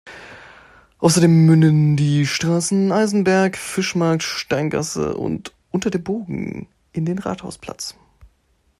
Außerdem münden die Straßen „Eisenberg“, „Fischmarkt“, „Steingasse“ und „Unter dem Bogen“ in den Rathausplatz.